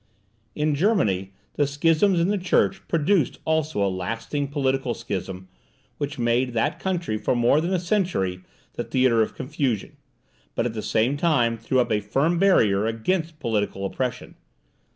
In Germany, the schisms in the church produced also a lasting political schism, which made that country for more than a century the theatre of confusion, but at the same time threw up a firm barrier against political oppression.